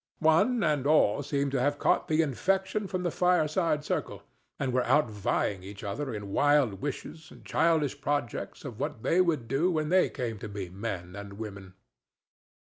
One and all seemed to have caught the infection from the fireside circle, and were outvying each other in wild wishes and childish projects of what they would do when they came to be men and women.